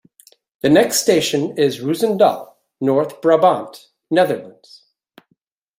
The next station is Roosendaal, North Brabant, Netherlands.